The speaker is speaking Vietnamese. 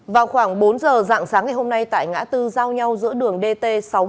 vào khoảng bốn giờ dạng sáng ngày hôm nay tại ngã tư giao nhau giữa đường dt sáu trăm một mươi